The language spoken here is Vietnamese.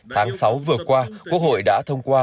tháng sáu vừa qua quốc hội đã thông qua